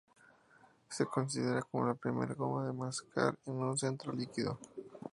Se considera como la primera goma de mascar con un centro líquido.